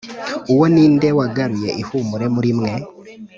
ubu ninde wagaruye ihumure muri mwe